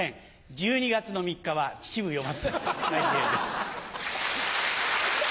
１２月の３日は「秩父夜祭」たい平です。